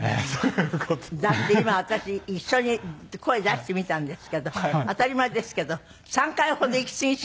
だって今私一緒に声出してみたんですけど当たり前ですけど３回ほど息継ぎしましたもん。